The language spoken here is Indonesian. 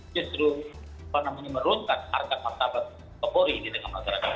justru menurunkan harta tabat kapolrik di tengah masyarakat